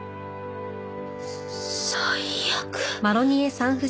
最悪。